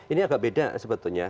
ini agak beda sebetulnya